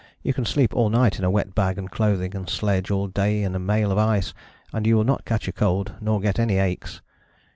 You can sleep all night in a wet bag and clothing, and sledge all day in a mail of ice, and you will not catch a cold nor get any aches.